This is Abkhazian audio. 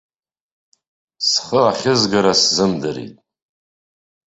Схы ахьызгара сзымдырит.